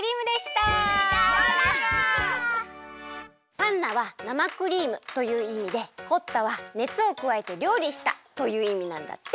「パンナ」は生クリームといういみで「コッタ」はねつをくわえてりょうりしたといういみなんだって。